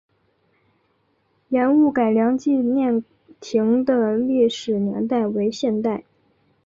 盐务改良纪念亭的历史年代为现代。